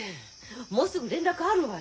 もうすぐ連絡あるわよ。